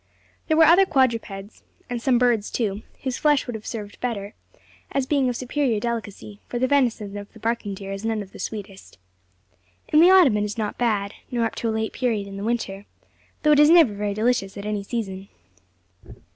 There were other quadrupeds, and some birds too, whose flesh would have served better, as being of superior delicacy: for the venison of the barking deer is none of the sweetest. In the autumn it is not bad nor up to a late period in the winter though it is never very delicious at any season.